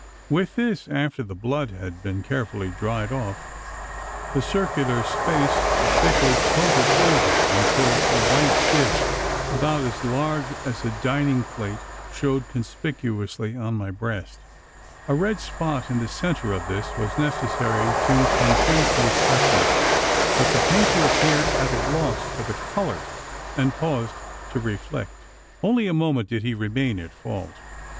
With this after the blood had been carefully dried off the circular space was thickly coated over, until a white disc, about as large as a dining plate shewed conspicuously on my breast! A red spot in the centre of this was necessary to complete the escutcheon; but the painter appeared at a loss for the colour, and paused to reflect. Only a moment did he remain at fault.